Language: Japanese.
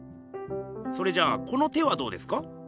それじゃこの手はどうですか？